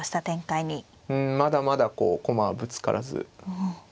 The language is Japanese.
うんまだまだこう駒ぶつからず。